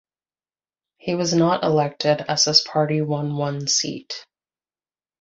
He was not elected as his party won one seat.